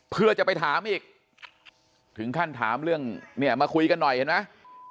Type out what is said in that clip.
เพื่อจะไปถามอีกถึงขั้นถามเรื่องเนี่ยมาคุยกันหน่อยเห็นไหม